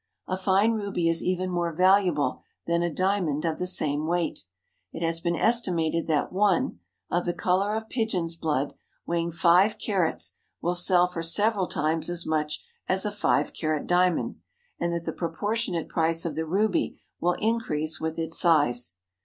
A fine ruby is even more valuable than a diamond of the same weight. It has been estimated that one, of the color of pigeon's blood, weighing five carats will sell for several times as much as a five carat diamond, and that the proportionate price of the ruby will increase with its size.